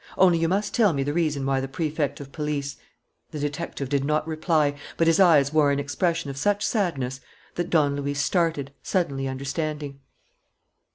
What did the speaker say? Only you must tell me the reason why the Prefect of Police " The detective did not reply, but his eyes wore an expression of such sadness that Don Luis started, suddenly understanding.